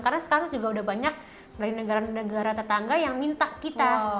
karena sekarang juga udah banyak dari negara negara tetangga yang minta kita